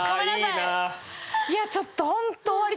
いやちょっと。